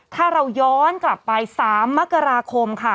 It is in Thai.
ถ้าเราย้อนกลับไป๓มกราคมค่ะ